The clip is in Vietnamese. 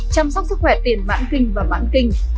chăm sóc sức khỏe tiền mãn kinh và mãn kinh